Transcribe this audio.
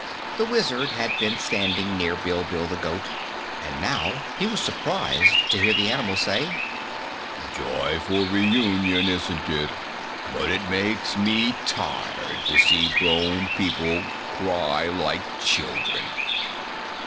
The Wizard had been standing near Bilbil the goat and now he was surprised to hear the animal say: "Joyful reunion, isn't it? But it makes me tired to see grown people cry like children."